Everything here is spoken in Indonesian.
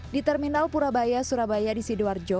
di terminal purabaya surabaya di sidoarjo